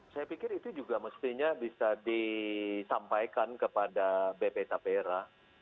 saya pikir itu juga mestinya bisa disampaikan kepada bp tapera